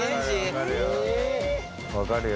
分かるよ。